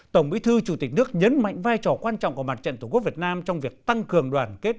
tổng bí thư chủ tịch nước nhấn mạnh vai trò quan trọng của mặt trận tổ quốc việt nam trong việc tăng cường đoàn kết